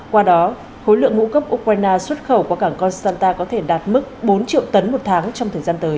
qua đó khối lượng ngũ cốc ukraine xuất khẩu qua cảng constanta có thể đạt mức bốn triệu tấn một tháng trong thời gian tới